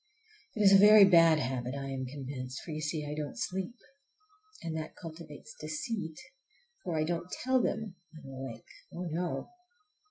It is a very bad habit, I am convinced, for, you see, I don't sleep. And that cultivates deceit, for I don't tell them I'm awake,—oh, no!